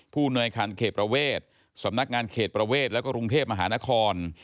หน่วยคันเขตประเวทสำนักงานเขตประเวทแล้วก็กรุงเทพมหานคร